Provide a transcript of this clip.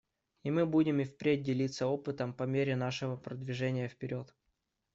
И мы будем и впредь делиться опытом по мере нашего продвижения вперед.